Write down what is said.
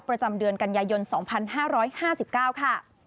ประจำเดือนกันยายน๒๕๕๙ค่ะ